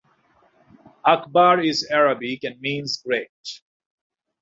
Akbar is Arabic and means great.